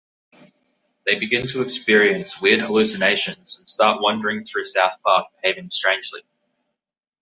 They begin to experience weird hallucinations and start wandering through South Park behaving strangely.